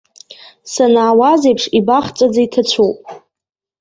Санаауаз аиԥш ибахҵәаӡа иҭацәуп.